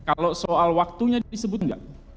kalau soal waktunya disebutkan tidak